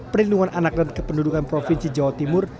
perlindungan anak dan kependudukan provinsi jawa timur